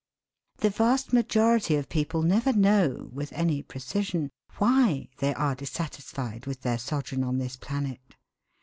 The vast majority of people never know, with any precision, why they are dissatisfied with their sojourn on this planet.